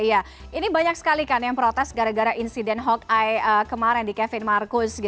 iya ini banyak sekali kan yang protes gara gara insiden hawkey kemarin di kevin marcus